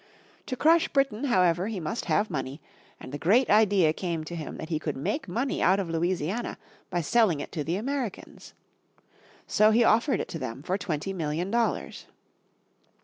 To crush Britain, however, he must have money, and the great idea came to him that he could make money out of Louisiana by selling it to the Americans. So he offered it to them for twenty million dollars.